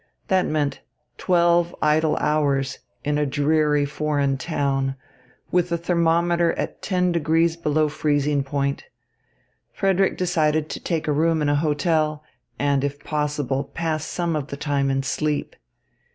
That meant twelve idle hours in a dreary foreign town, with the thermometer at ten degrees below freezing point. Frederick decided to take a room in a hotel, and, if possible, pass some of the time in sleep.